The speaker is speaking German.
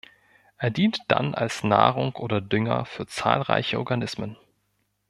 Er dient dann als Nahrung oder Dünger für zahlreiche Organismen.